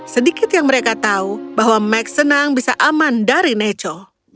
sedikit yang mereka tahu bahwa max senang bisa aman dari neco